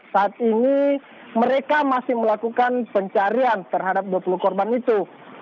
saat ini mereka masih melakukan pencarian terhadap dua puluh korban itu